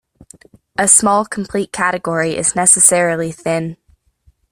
A small complete category is necessarily thin.